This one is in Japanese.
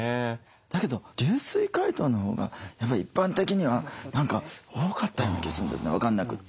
だけど流水解凍のほうがやっぱり一般的には何か多かったような気するんですね分かんなくて。